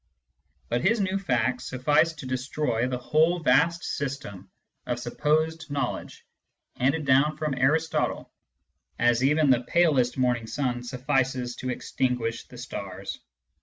But his few facts sufficed to destroy the whole vast system of supposed knowledge handed down from Aristotle, as even the palest morning sun suffices to extinguish the stars.